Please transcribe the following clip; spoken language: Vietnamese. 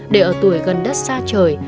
để ở tuổi gần đất xa trời